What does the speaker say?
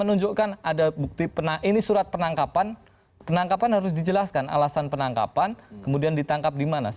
ujung ujungnya undang undang tadilus